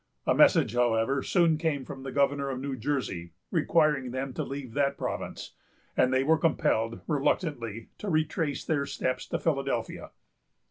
A message, however, soon came from the Governor of New Jersey, requiring them to leave that province; and they were compelled reluctantly to retrace their steps to Philadelphia.